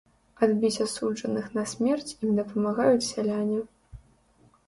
Адбіць асуджаных на смерць ім дапамагаюць сяляне.